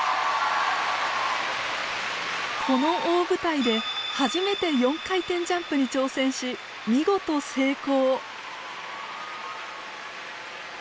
この大舞台で初めて４回転ジャンプに挑戦し見事成功。